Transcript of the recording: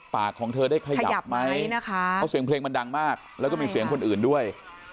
ของเธอได้ขยับไหมนะคะเพราะเสียงเพลงมันดังมากแล้วก็มีเสียงคนอื่นด้วย